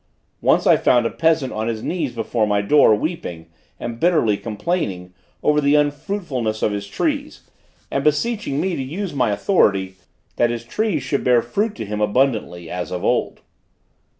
Once I found a peasant on his knees before my door, weeping, and bitterly complaining over the unfruitfulness of his trees, and beseeching me to use my authority, that his trees should bear fruit to him abundantly, as of old.